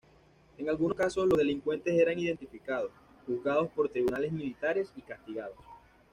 En algunos casos los delincuentes eran identificados, juzgados por tribunales militares, y castigados.